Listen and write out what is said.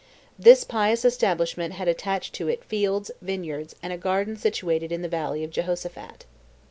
This pious establishment had attached to it fields, vineyards, and a garden situated in the valley of Jehosaphat.